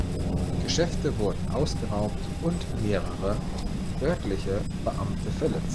Geschäfte wurden ausgeraubt und mehrere örtliche Beamte verletzt.